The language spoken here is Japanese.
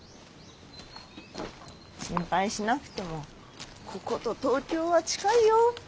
心配しなくてもここと東京は近いよ。